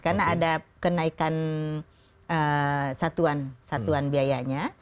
karena ada kenaikan satuan biayanya